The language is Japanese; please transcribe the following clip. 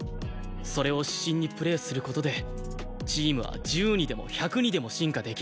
それを指針にプレーする事でチームは１０にでも１００にでも進化できる。